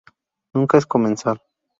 Nunca es comensal.